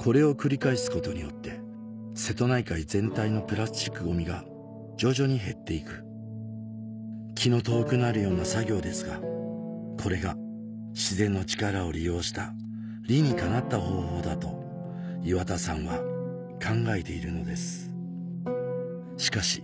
これを繰り返すことによって瀬戸内海全体のプラスチックゴミが徐々に減って行く気の遠くなるような作業ですがこれが自然の力を利用した理にかなった方法だと岩田さんは考えているのですしかし